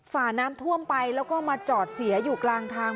ฝ่าน้ำท่วมไปแล้วก็มาจอดเสียอยู่กลางทาง